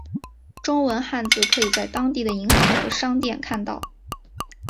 中文汉字可以在当地的银行和商店看到。